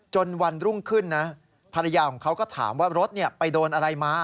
วันรุ่งขึ้นนะภรรยาของเขาก็ถามว่ารถไปโดนอะไรมา